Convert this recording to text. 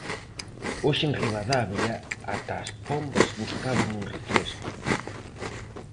Hoxe en Ribadavia ata as pombas buscaban un refresco.